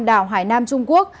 đảo hải nam trung quốc